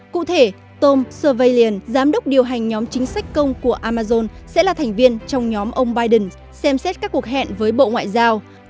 cụ thể tom survalin giám đốc điều hành nhóm chính sách công của amazon sẽ là thành viên trong nhóm ông biden xem xét các cuộc hẹn với bộ ngoại giao